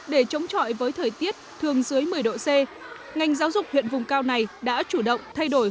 để chống chọi với thời tiết thường dưới một mươi độ c ngành giáo dục huyện vùng cao này đã chủ động thay đổi